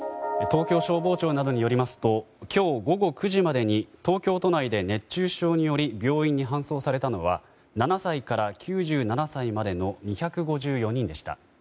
東京消防庁などによりますと今日午後９時までに東京都内で熱中症により病院に搬送されたのは７歳から９７歳まで２５４人でした。